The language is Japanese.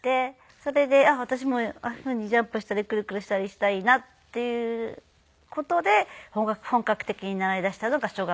それで私もああいうふうにジャンプしたりクルクルしたりしたいなっていう事で本格的に習いだしたのが小学校１年生で。